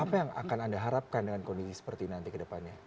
apa yang akan anda harapkan dengan kondisi seperti nanti ke depannya